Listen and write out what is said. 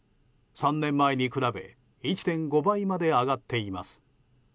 ３年前に比べ１．５倍まで上がっています。